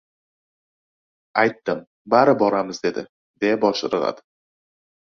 — Aytdim, bari boramiz, dedi, — deya bosh irg‘adi.